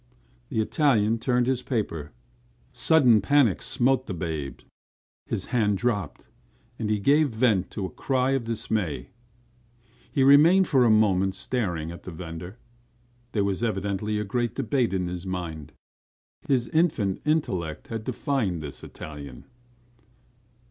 The Italian turned his paper. Sudden panic smote the babe. His hand dropped, and he gave vent to a cry of dismay. He remained for a moment staring at the vendor. There was evidently a great debate in his mind. His infant intellect had defined this Italian.